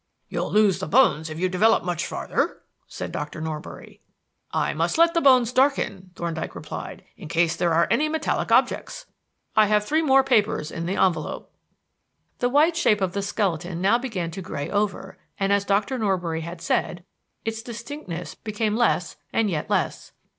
"You'll lose the bones if you develop much farther," said Dr. Norbury. "I must let the bones darken," Thorndyke replied, "in case there are any metallic objects. I have three more papers in the envelope." The white shape of the skeleton now began to gray over and, as Dr. Norbury had said, its distinctness became less and yet less.